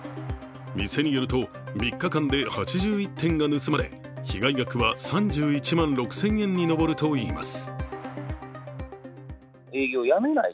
店によると、３日間で８１点が盗まれ被害額は３１万６０００円に上るといいます。